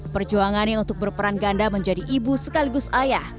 perjuangan yang untuk berperan ganda menjadi ibu sekaligus ayah